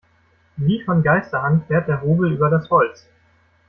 Wie von Geisterhand fährt der Hobel über das Holz.